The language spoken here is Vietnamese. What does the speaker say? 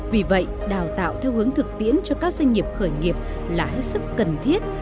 vì vậy đào tạo theo hướng thực tiễn cho các doanh nghiệp khởi nghiệp là hết sức cần thiết